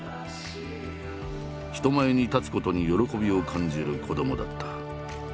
人前に立つことに喜びを感じる子どもだった。